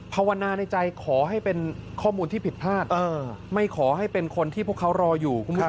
ภาวนาในใจขอให้เป็นข้อมูลที่ผิดพลาดไม่ขอให้เป็นคนที่พวกเขารออยู่คุณผู้ชม